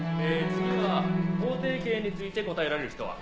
次は法定刑について答えられる人は？